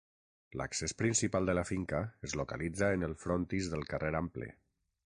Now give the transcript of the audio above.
L'accés principal de la finca es localitza en el frontis del Carrer Ample.